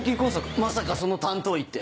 まさかその担当医って。